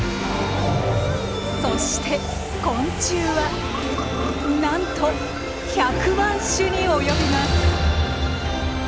そして昆虫はなんと１００万種に及びます。